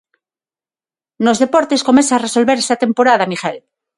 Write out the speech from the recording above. Nos deportes, comeza a resolverse a temporada, Miguel.